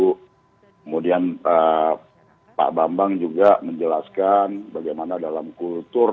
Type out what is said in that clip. kemudian pak bambang juga menjelaskan bagaimana dalam kultur